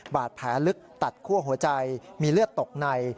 บาดแผลลึกตัดคั่วหัวใจมีเลือดตกใน